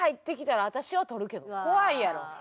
怖いやろ。